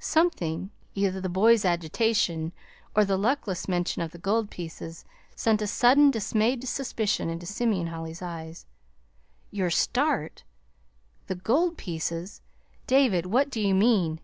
Something, either the boy's agitation, or the luckless mention of the gold pieces sent a sudden dismayed suspicion into Simeon Holly's eyes. "Your 'start'? the 'gold pieces'? David, what do you mean?"